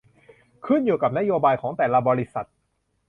ขึ้นอยู่กับนโยบายของแต่ละบริษัท